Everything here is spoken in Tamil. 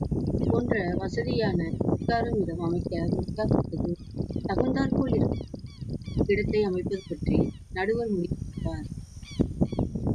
இதுபோன்ற வசதியான உட்காரும் இடம் அமைக்க முடியாதபொழுது, தகுந்தாற்போல் இருக்கும் இடத்தை அமைப்பது பற்றி, நடுவர் முடிவு செய்வார்.